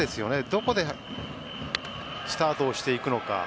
どこでスタートをしていくのか。